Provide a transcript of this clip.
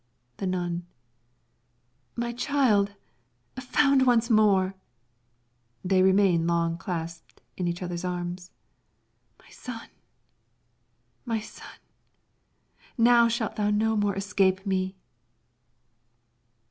The Nun My child, found once more! [They remain long clasped in each other's arms.] My son, my son, now shalt thou no more escape me!